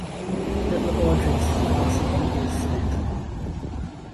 "Little Audrey"'s last name is Smith.